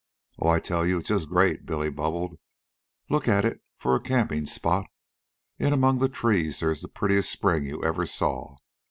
"Oh, I tell you it's just great," Billy bubbled. "Look at it for a camping spot. In among the trees there is the prettiest spring you ever saw.